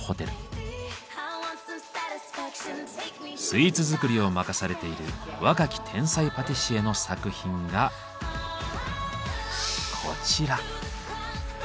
スイーツ作りを任されている若き天才パティシエの作品がこちら。